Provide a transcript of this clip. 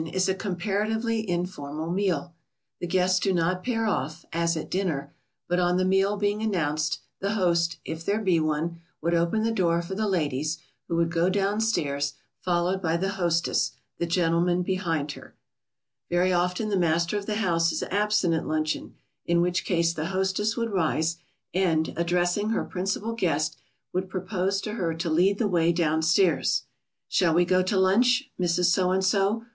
] The guests do not pair off, as at dinner, but on the meal being announced the host, if there be one, would open the door for the ladies, who would go downstairs, followed by the hostess, the gentlemen behind her. [Sidenote: In the absence of the host.] Very often the master of the house is absent at luncheon, in which case the hostess would rise, and, addressing her principal guest, would propose to her to lead the way downstairs. "Shall we go down to lunch, Mrs. So and so?"